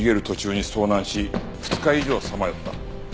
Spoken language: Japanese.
途中に遭難し２日以上さまよった。